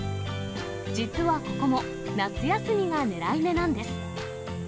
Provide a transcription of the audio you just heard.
実はここも、夏休みが狙い目なんです。